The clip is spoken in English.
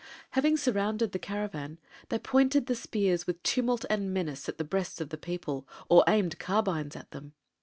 Having surrounded the caravan, they pointed the spears with tumult and menace at the breasts of the people, or aimed carbines at them.